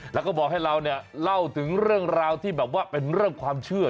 แล้วก็บอกให้เราเนี่ยเล่าถึงเรื่องราวที่แบบว่าเป็นเรื่องความเชื่อ